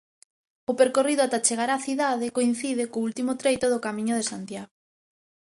O percorrido ata chegar á cidade coincide co último treito do Camiño de Santiago.